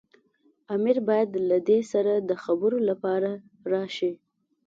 امیر باید له ده سره د خبرو لپاره راشي.